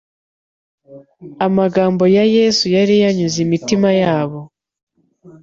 Amagambo ya Yesu yari yanyuze imitima yabo